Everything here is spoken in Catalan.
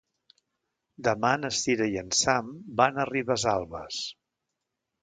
Demà na Sira i en Sam van a Ribesalbes.